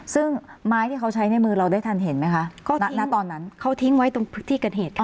ซึ่งไม้ที่เขาใช้ในมือเราได้ทันเห็นไหมคะก็ณตอนนั้นเขาทิ้งไว้ตรงที่เกิดเหตุค่ะ